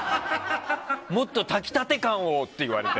もっと炊き立て感をって言われて。